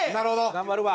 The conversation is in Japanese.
頑張るわ。